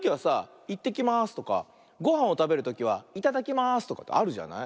「いってきます」とかごはんをたべるときは「いただきます」とかってあるじゃない？